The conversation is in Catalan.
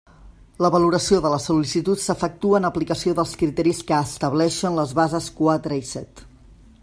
La valoració de les sol·licituds s'efectua en aplicació dels criteris que estableixen les bases quatre i set.